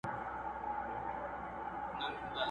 توبه ګاره له توبې یم، پر مغان غزل لیکمه!!